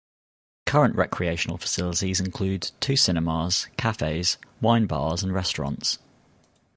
Current recreational facilities include two cinemas, cafes, wine bars and restaurants.